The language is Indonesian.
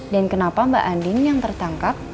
dan kenapa mbak andin yang tertangkap